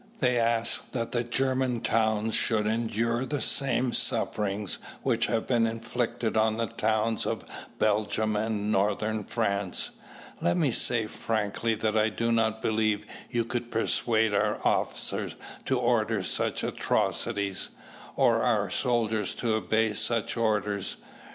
They ask that German towns should endure the same sufferings which have been inflicted on the towns of Belgium and Northern France. Let me say frankly that I do not believe you could persuade our officers to order such atrocities, or our soldiers to obey such orders.